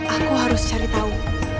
aku harus cari tau